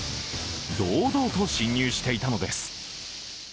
堂々と侵入していたのです。